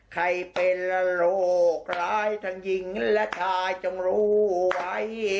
ใครเป็นโรคร้ายทั้งหญิงและชายจงรู้ไว้